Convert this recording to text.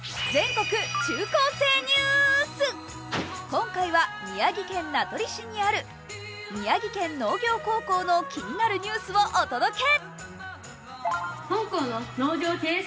今回は宮城県名取市にある宮城県農業高校の気になるニュースをお届け。